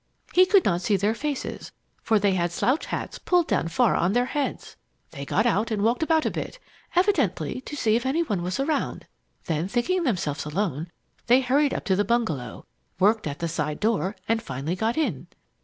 He could not see their faces, for they had slouch hats pulled far down on their heads. They got out and walked about a bit, evidently to see if any one was around. Then, thinking themselves alone, they hurried up to the bungalow, worked at the side door, and finally got in.